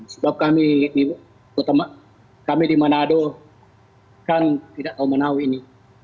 sebab kami di manado kan tidak tahu menahu ini